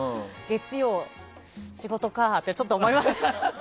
月曜、仕事かってちょっと思います。